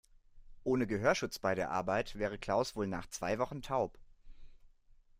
Ohne Gehörschutz bei der Arbeit wäre Klaus wohl nach zwei Wochen taub.